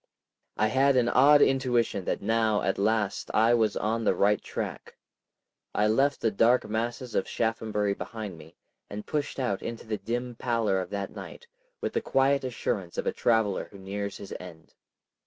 ... I had an odd intuition that now at last I was on the right track. I left the dark masses of Shaphambury behind me, and pushed out into the dim pallor of that night, with the quiet assurance of a traveler who nears his end.